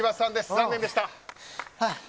残念でした。